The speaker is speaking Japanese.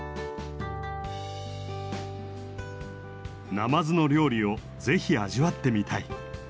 ナマズの料理をぜひ味わってみたい。